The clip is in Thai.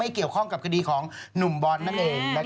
ไม่เกี่ยวข้องกับคดีของหนุ่มบอสนั่นเองนะครับ